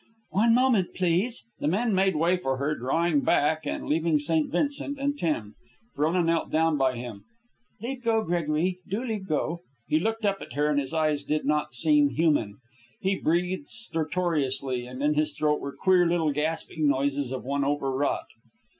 "One moment, please." The men made way for her, drawing back and leaving St. Vincent and Tim. Frona knelt down by him. "Leave go, Gregory. Do leave go." He looked up at her, and his eyes did not seem human. He breathed stertorously, and in his throat were the queer little gasping noises of one overwrought.